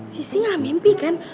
sisi gak mimpi kan